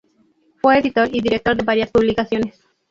Fue editor y director de varias publicaciones.